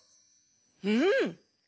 うん。